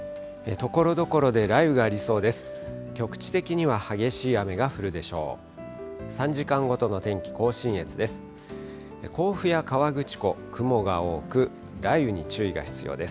ところどころで雷雨がありそうです。